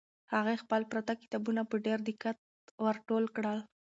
هغې خپل پراته کتابونه په ډېر دقت ور ټول کړل.